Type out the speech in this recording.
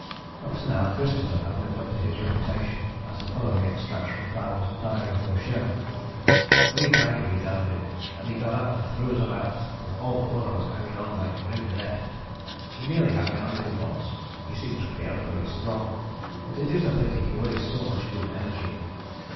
Up to now Christopher had lived up to his reputation, as the following extracts from Bowers' diary will show: "Three times we downed him, and he got up and threw us about, with all four of us hanging on like grim death. He nearly had me under him once; he seems fearfully strong, but it is a pity he wastes so much good energy....